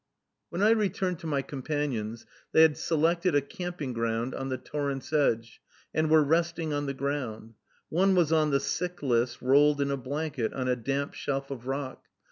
When I returned to my companions, they had selected a camping ground on the torrent's edge, and were resting on the ground; one was on the sick list, rolled in a blanket, on a damp shelf of rock.